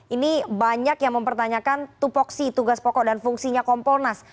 ini banyak yang mempertanyakan tupoksi tugas pokok dan fungsinya kompolnas